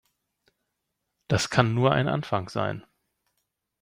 Das kann nur ein Anfang sein.